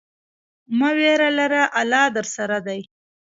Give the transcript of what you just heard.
مه ویره لره، الله درسره دی.